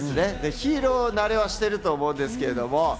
ヒーロー慣れはしてると思うんですけど。